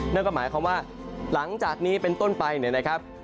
นั่นก็หมายความว่าหลังจากนี้เป็นต้นไปเนี่ยนะครับ